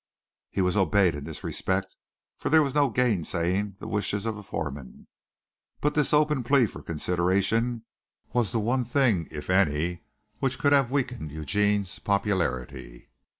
He was obeyed in this respect, for there was no gain saying the wishes of a foreman, but this open plea for consideration was the one thing if any which could have weakened Eugene's popularity.